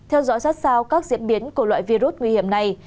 theo dõi sát sao các diễn biến của loại virus nguy hiểm này